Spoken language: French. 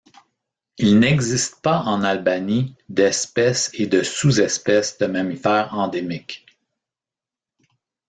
Il n'existe pas en Albanie d'espèce et de sous-espèce de mammifère endémique.